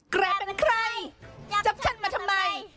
แกเป็นใครจับฉันมาทำไม